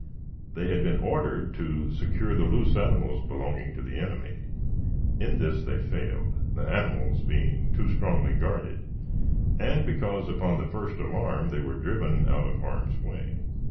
They had been ordered to secure the loose animals belonging to the enemy. In this they failed, the animals being too strongly guarded, and because, upon the first alarm, they were driven out of harm's way.